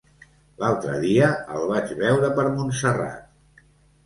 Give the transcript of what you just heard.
L'altre dia el vaig veure per Montserrat.